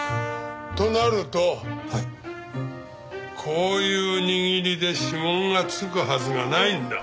こういう握りで指紋が付くはずがないんだ。